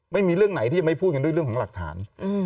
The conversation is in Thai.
ไม่มีเรื่องไหนที่จะไม่พูดกันด้วยเรื่องของหลักฐาน